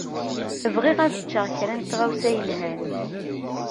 Bɣiɣ ad ččeɣ kra n tɣawsa yelhan.